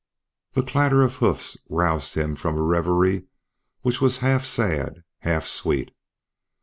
The clatter of hoofs roused him from a reverie which was half sad, half sweet.